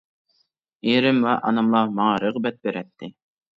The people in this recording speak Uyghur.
ئىرىم ۋە ئاناملا ماڭا رىغبەت بېرەتتى.